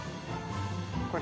これ。